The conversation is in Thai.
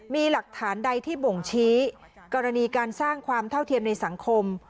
มีหลักฐานใดที่บ่งชี้กรณีการสร้างความเท่าเทียมในสังคม